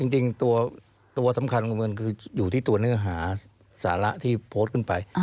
จริงตัวสำคัญของมันคืออยู่ที่ตัวเนื้อหาสาระที่โพสต์ขึ้นไป